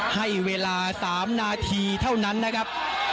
ให้เวลา๓นาทีเท่านั้นนะครับ